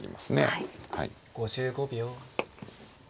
５５秒。